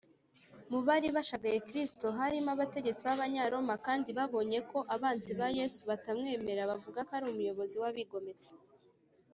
mu bari bashagaye kristo, harimo abategetsi b’abanyaroma, kandi babonye ko abanzi ba yesu batamwemera bavuga ko ari umuyobozi w’abigometse